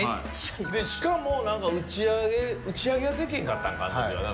しかも打ち上げ打ち上げはできへんかったんかあん時は。